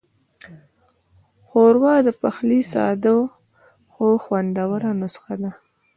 ښوروا د پخلي ساده خو خوندوره نسخه ده.